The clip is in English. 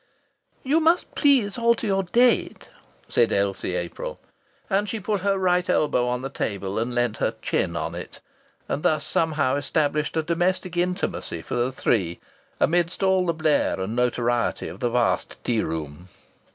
"You must please alter your date," said Elsie April. And she put her right elbow on the table and leaned her chin on it, and thus somehow established a domestic intimacy for the three amid all the blare and notoriety of the vast tea room.